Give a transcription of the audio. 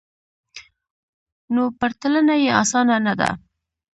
نو پرتلنه یې اسانه نه ده